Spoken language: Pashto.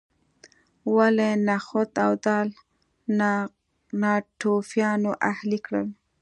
ولې نخود او دال ناتوفیانو اهلي کړل.